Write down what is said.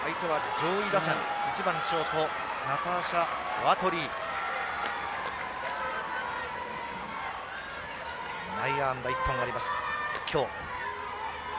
今日、内野安打１本あります。